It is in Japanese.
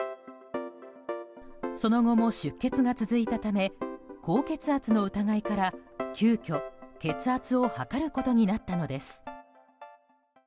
その後も出血が続いたため高血圧の疑いから急きょ、血圧を測ることになったのです。